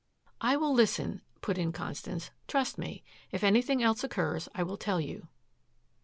"I will listen," put in Constance. "Trust me. If anything else occurs I will tell you."